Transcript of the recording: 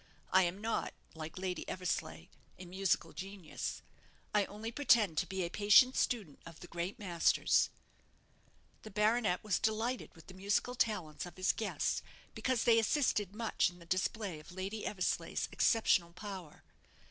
I am not, like Lady Eversleigh, a musical genius. I only pretend to be a patient student of the great masters." The baronet was delighted with the musical talents of his guest because they assisted much in the display of Lady Eversleigh's exceptional power.